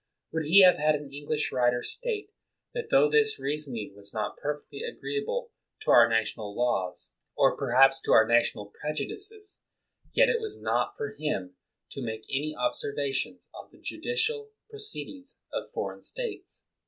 Would he have had an Eng lish writer state that tho this reasoning was not perfectly agreeable to our national laws, or per 109 p THE WORLD'S FAMOUS ORATIONS haps to our national prejudices, yet it was not for him to make any observations on the judicial proceedings of foreign states?